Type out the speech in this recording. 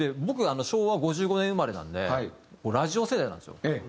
僕昭和５５年生まれなんでラジオ世代なんですよ。